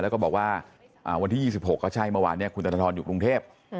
แล้วก็บอกว่าวันที่๒๖ก็ใช่เมื่อวานนี้คุณธนทรอยู่กรุงเทพ